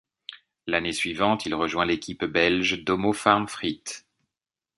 L'année suivante, il rejoint l'équipe belge Domo-Farm Frites.